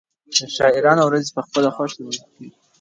د شاعرانو ورځې په خپله خوښه لمانځل کېږي.